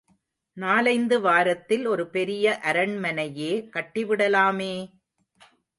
நாலைந்து வாரத்தில் ஒரு பெரிய அரண்மனையே கட்டிவிடலாமே!